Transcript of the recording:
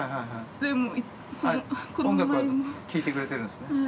でも、この前音楽は聞いてくれてるんですね。